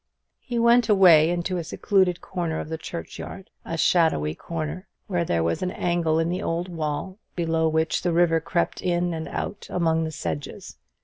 He went away into a secluded corner of the churchyard, a shadowy corner, where there was an angle in the old wall, below which the river crept in and out among the sedges.